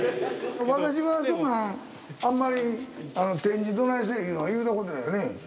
私はそんなんあんまり展示どないせいいうのは言うたことないよね？